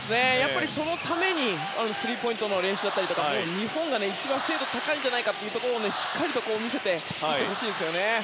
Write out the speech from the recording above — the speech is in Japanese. そのためにスリーポイントの練習だとか日本が一番精度高いんじゃないかというところをしっかりと見せて勝ってほしいですよね。